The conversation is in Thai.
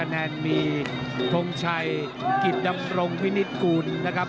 แนนมีทงชัยกิจดำรงวินิตกูลนะครับ